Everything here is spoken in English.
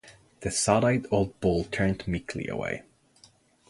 The sad-eyed old bull turned meekly away.